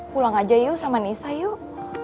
pulang aja yuk sama nisa yuk